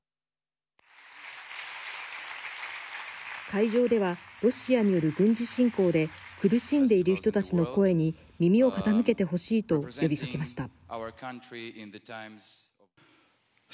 会場ではロシアによる軍事侵攻で苦しんでいる人たちの声に耳を傾けてほしいと呼びかけました。